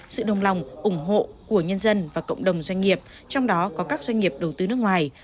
sự đồng lòng ủng hộ của nhân dân và cộng đồng doanh nghiệp trong đó có các doanh nghiệp đầu tư nước ngoài